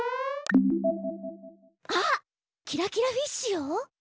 あっキラキラフィッシュよ！